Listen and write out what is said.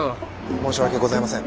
申し訳ございません。